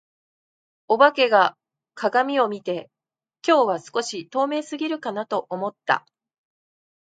お化けが鏡を見て、「今日は少し透明過ぎるかな」と思った。